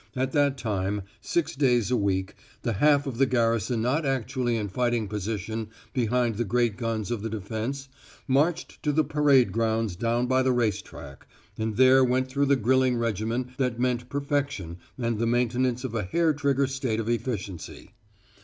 At that time, six days a week, the half of the garrison not actually in fighting position behind the great guns of the defense marched to the parade grounds down by the race track and there went through the grilling regimen that meant perfection and the maintenance of a hair trigger state of efficiency.